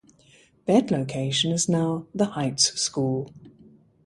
That location is now The Heights School.